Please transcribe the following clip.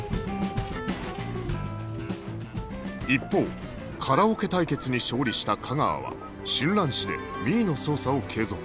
一方カラオケ対決に勝利した架川は春蘭市で美依の捜査を継続